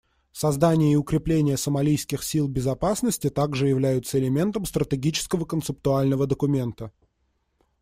Создание и укрепление сомалийских сил безопасности также являются элементом стратегического концептуального документа.